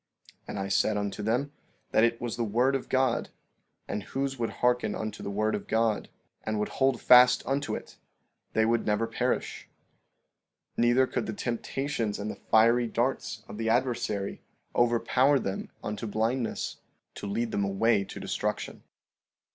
15:24 And I said unto them that it was the word of God, and whoso would hearken unto the word of God, and would hold fast unto it, they would never perish; neither could the temptations and the fiery darts of the adversary overpower them unto blindness, to lead them away to destruction.